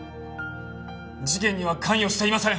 事件には関与していません！